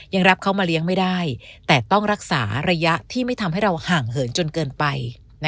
ยังรับเขามาเลี้ยงไม่ได้แต่ต้องรักษาระยะที่ไม่ทำให้เราห่างเหินจนเกินไป